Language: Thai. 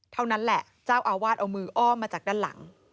เท่านั้นแหละเจ้าอาวาสเอามืออ้อมมาจากด้านหลัง